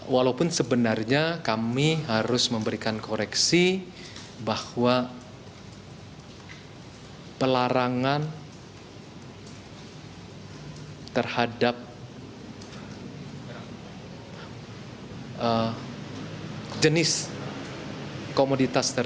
walaupun sebenarnya kami harus memberikan koreksi bahwa pelarangan terhadap jenis komoditas tersebut